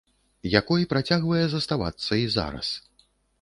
Якой працягвае заставацца і зараз.